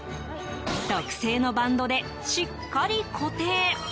特製のバンドでしっかり固定。